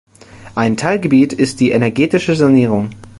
Ein Teilgebiet ist die energetische Sanierung.